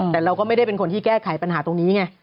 แต่เราก็ไม่ได้เป็นคนที่แก้ไขปัญหาตรงนี้ไง